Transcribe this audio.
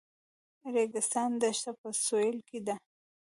د ریګستان دښته په سویل کې ده